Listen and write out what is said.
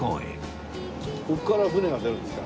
ここから船が出るんですか？